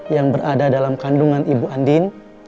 yang berada dalam kandungan ibu andin